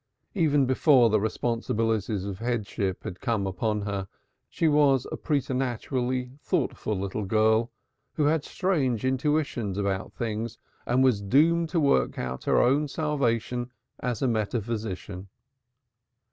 Even before the responsibilities of headship had come upon her she was a preternaturally thoughtful little girl who had strange intuitions about things and was doomed to work out her own salvation as a metaphysician.